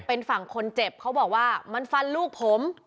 เป็นฝั่งคนเจ็บเขาบอกว่ามันฟันลูกผม